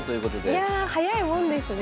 早いもんですね。